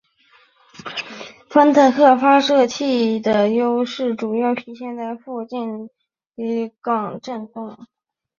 反坦克榴弹发射器的优势主要体现在近距离巷战中。